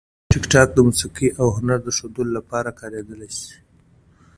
ټیکټاک د موسیقي او هنر د ښودلو لپاره کارېدلی شي.